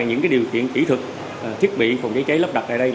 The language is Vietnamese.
những điều kiện kỹ thuật thiết bị phòng cháy cháy lắp đặt tại đây